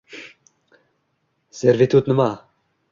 Servitut nima?